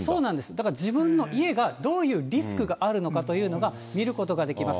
だから自分の家がどういうリスクがあるのかというのが、見ることができます。